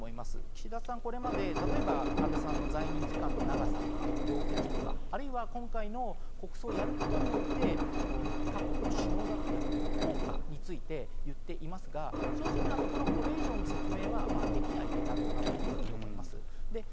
石田さん、これまで例えば安倍さんの在任期間の長さとか業績とか今回の国葬をやることによって各国の首脳が来るという効果について言っていますが、正直なところをこれ以上の説明はできないだろうなと思います。